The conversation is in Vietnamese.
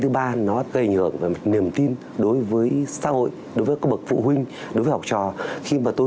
thứ ba nó gây nhượng niềm tin đối với xã hội đối với các bậc phụ huynh đối với học trò khi mà tôi